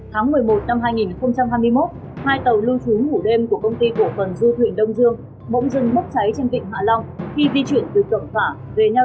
tháng một mươi một năm hai nghìn hai mươi một hai tàu lưu trú ngủ đêm của công ty cổ phần du thuyền đông dương